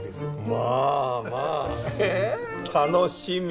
まあまあ楽しみ。